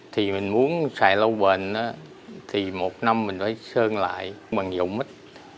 thì mình muốn xài lâu bền á thì một năm mình phải sơn lại bằng dầu mít